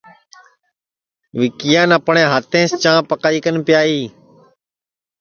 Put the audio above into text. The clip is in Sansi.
وکیان اپٹؔے ہاتیںٚس چاں پکائی کن پیائی